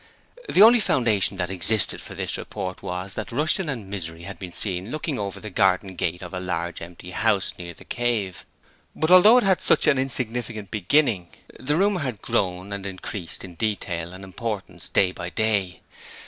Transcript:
The only foundation that existed for this report was that Rushton and Misery had been seen looking over the garden gate of a large empty house near 'The Cave'. But although it had such an insignificant beginning, the rumour had grown and increased in detail and importance day by day.